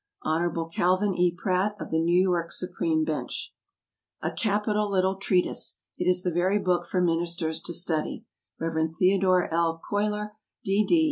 Hon. CALVIN E. PRATT, of the New York Supreme Bench. A capital little treatise. It is the very book for ministers to study. Rev. THEODORE L. CUYLER, D.D.